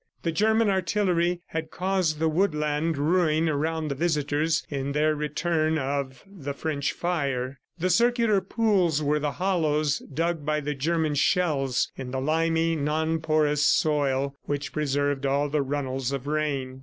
The German artillery had caused the woodland ruin around the visitors, in their return of the French fire. The circular pools were the hollows dug by the German shells in the limy, non porous soil which preserved all the runnels of rain.